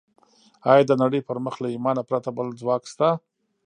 ايا د نړۍ پر مخ له ايمانه پرته بل ځواک شته؟